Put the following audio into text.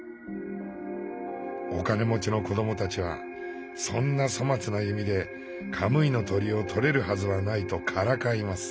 お金持ちの子どもたちはそんな粗末な弓でカムイの鳥を捕れるはずはないとからかいます。